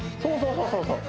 そうそう